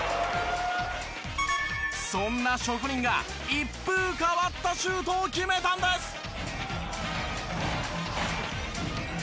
そんな職人が一風変わったシュートを決めたんです。